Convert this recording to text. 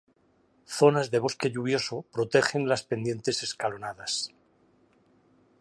Zonas de bosque lluvioso protegen las pendientes escalonadas.